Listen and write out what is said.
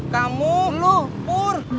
kamu dulu pur